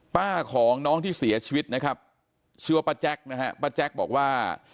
ป้าของน้องที่เสียชีวิตนะครับชื่อว่าป้าแจ็คนะฮะป้าแจ๊กบอกว่า